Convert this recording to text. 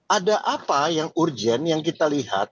ada apa yang urgent yang kita lihat